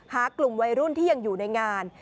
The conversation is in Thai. หากลุ่มวัยรุ่นที่ยังอยู่ในงาน